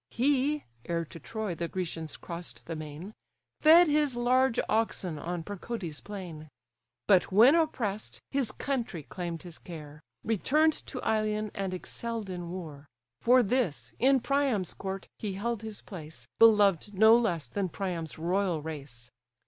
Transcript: He (ere to Troy the Grecians cross'd the main) Fed his large oxen on Percotè's plain; But when oppress'd, his country claim'd his care, Return'd to Ilion, and excell'd in war; For this, in Priam's court, he held his place, Beloved no less than Priam's royal race.